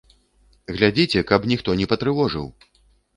Глядзіце, каб ніхто не патрывожыў!